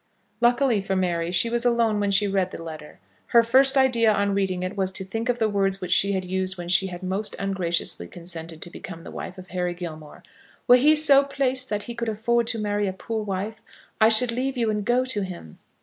Luckily for Mary she was alone when she read the letter. Her first idea on reading it was to think of the words which she had used when she had most ungraciously consented to become the wife of Harry Gilmore. "Were he so placed that he could afford to marry a poor wife, I should leave you and go to him."